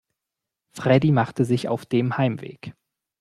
Freddie machte sich auf dem Heimweg.